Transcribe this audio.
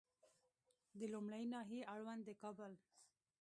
د لومړۍ ناحیې اړوند د کابل